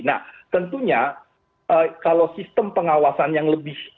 nah tentunya kalau sistem pengawasan yang lebih